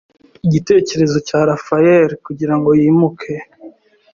igitekerezo cya Raphael kugirango yimuke